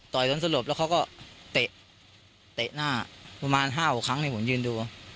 ต่อยต้นสลบแล้วเขาก็เตะเตะหน้าประมาณห้าหกครั้งนี้ผมยืนดู